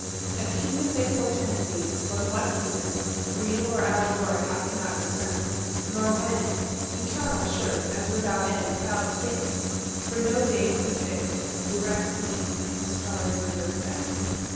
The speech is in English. A kingdom they portend thee, but what kingdom, Real or allegoric, I discern not; 390 Nor when: eternal sure—as without end, Without beginning; for no date prefixed Directs me in the starry rubric set."